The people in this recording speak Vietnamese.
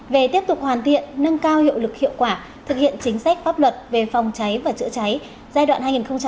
về tiếp tục hoàn thiện nâng cao hiệu lực hiệu quả thực hiện chính sách pháp luật về phòng cháy và chữa cháy giai đoạn hai nghìn một mươi bốn hai nghìn hai mươi